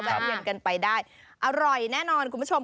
เวียนกันไปได้อร่อยแน่นอนคุณผู้ชม